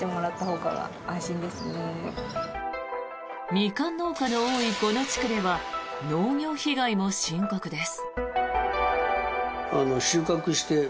ミカン農家の多いこの地区では農業被害も深刻です。